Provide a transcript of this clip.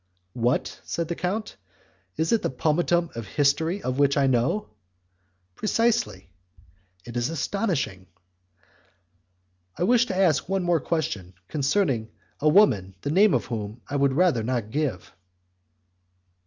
"What!" said the count, "is it the pomatum the history of which I know?" "Precisely." "It is astonishing." "I wish to ask one more question concerning a woman the name of whom I would rather not give."